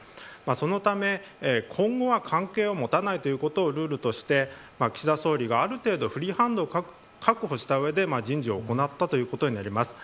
そのため、今後は関係を持たないということをルールとして岸田総理がある程度フリーハンドを確保した上で人事を行ったということになります。